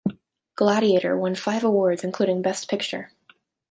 "Gladiator" won five awards including Best Picture.